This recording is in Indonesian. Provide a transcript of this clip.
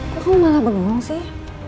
kok kamu malah bergongong sih